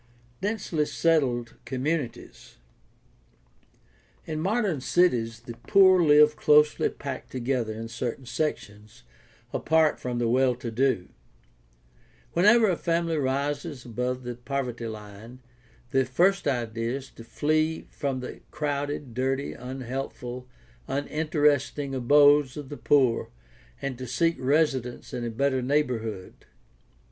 Densely settled communities. — In modern cities the poor live closely packed together in certain sections, apart from the well to do. Whenever a family rises above the poverty line the first idea is to flee from the crowded, dirty, unhealthful, uninteresting abodes of the poor and to seek residence in a better neighborhood.